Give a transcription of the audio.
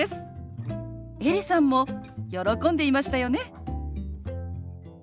エリさんも喜んでいましたよね。